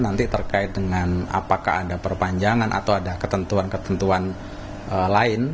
nanti terkait dengan apakah ada perpanjangan atau ada ketentuan ketentuan lain